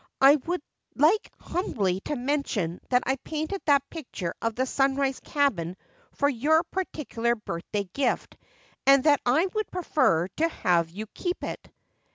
I would like humbly to mention that I painted that picture of the Sunrise cabin for your particular birthday gift and that I would prefer to have you keep it."